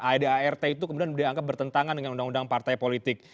adart itu kemudian dianggap bertentangan dengan undang undang partai politik